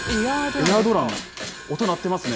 エアードラム、音鳴ってますね。